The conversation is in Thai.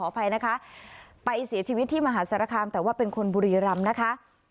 อภัยนะคะไปเสียชีวิตที่มหาสารคามแต่ว่าเป็นคนบุรีรำนะคะ